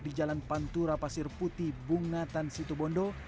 di jalan pantura pasir putih bunga tan situbondo